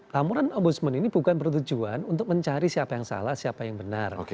tamuran ombudsman ini bukan bertujuan untuk mencari siapa yang salah siapa yang benar